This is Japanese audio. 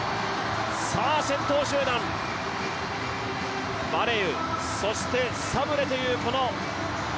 先頭集団、バレウそして、サブレという。